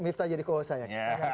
ya mifta jadi kohosan ya